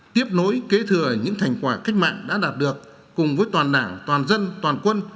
tiếp nối kế thừa những thành quả cách mạng đã đạt được cùng với toàn đảng toàn dân toàn quân